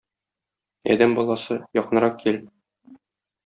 Адәм баласы, якынрак кил!